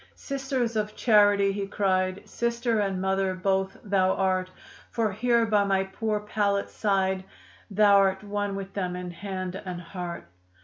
"Sister of Charity!" he cried, "Sister and mother both thou art; For here by my poor pallet side, Thou'rt one with them in hand and heart."